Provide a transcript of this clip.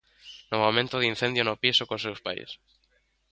No momento do incendio no piso cos seus pais.